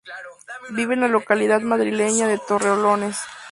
Vive en la localidad madrileña de Torrelodones.